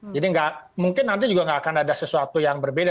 jadi nggak mungkin nanti juga nggak akan ada sesuatu yang berbeda